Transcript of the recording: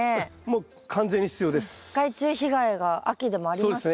もう完全に必要です。